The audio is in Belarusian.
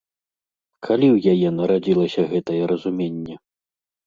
Калі ў яе нарадзілася гэтае разуменне?